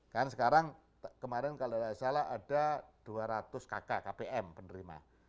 kan sekarang kemarin kalau tidak salah ada dua ratus kk kpm penerima